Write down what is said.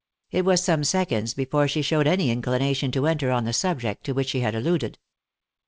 It was some seconds before she showed any inclination to enter on the subject to which she had alluded.